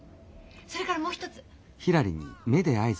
それからもう一つ。